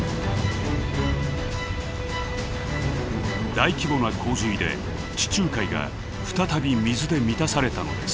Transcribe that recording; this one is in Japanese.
大規模な洪水で地中海が再び水で満たされたのです。